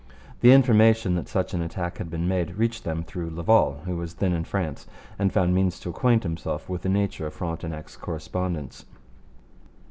The information that such an attack had been made reached them through Laval, who was then in France and found means to acquaint himself with the nature of Frontenac's correspondence.